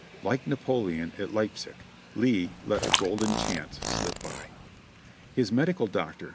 Like Napoleon at Leipsic, Lee let a golden chance slip by. His medical director.